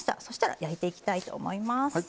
そしたら焼いていきたいと思います。